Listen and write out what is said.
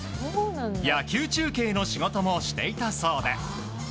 野球中継の仕事もしていたそうです。